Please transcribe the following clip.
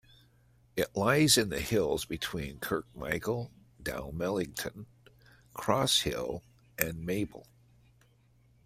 It lies in the hills between Kirkmichael, Dalmellington, Crosshill, and Maybole.